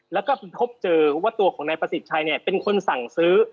แล้วก็พบเจอว่าตัวของนายประสิทธิ์ชัยเนี่ยเป็นคนสั่งซื้อ